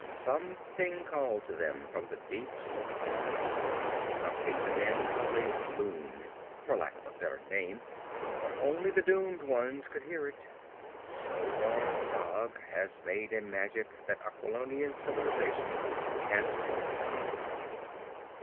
Something called to them from the deeps of the forest, something the men call a loon, for lack of a better name, but only the doomed ones could hear it. Zogar Sag has made a magic that Aquilonian civilization can't overcome.'